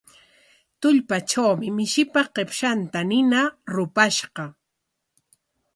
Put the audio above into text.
Tullpatrawmi mishipa qipshanta nina rupashqa.